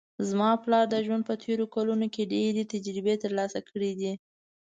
زما پلار د ژوند په تېرو کلونو کې ډېر تجربې ترلاسه کړې ده